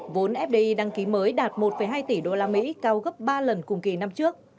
vốn fdi đăng ký mới đạt một hai tỷ usd cao gấp ba lần cùng kỳ năm trước